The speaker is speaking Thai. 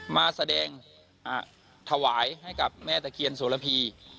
มาแสดงถวายให้กับแม่ตะเคียนโสระพี